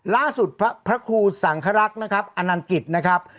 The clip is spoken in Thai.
พระครูสังครักษ์นะครับอนันกิจนะครับ